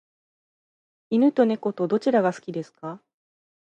犬と猫とどちらが好きですか？